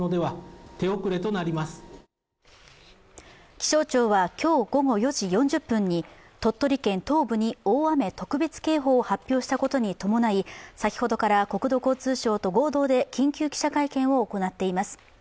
気象庁は今日午後４時４０分に鳥取県東部に大雨特別警報を発表したことに伴い先ほどから国土交通省と合同で緊急記者会見を行っています。